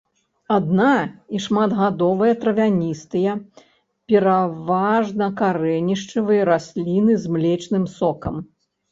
Адна- і шматгадовыя травяністыя, пераважна карэнішчавыя расліны з млечным сокам.